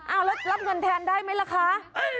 เอาแล้วรับเงินแทนได้ไหมล่ะคะ